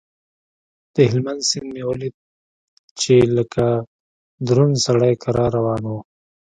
د هلمند سيند مې وليد چې لکه دروند سړى کرار روان و.